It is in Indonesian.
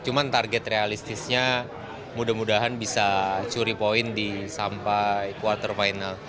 cuma target realistisnya mudah mudahan bisa curi poin sampai quarter final